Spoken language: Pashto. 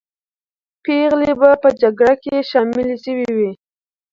پېغلې به په جګړه کې شاملې سوې وي.